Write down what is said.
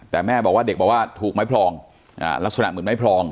แต่แม่บอกว่าเด็กบอกว่าถูกไม้พลองลักษณะเหมือนไม้พลอง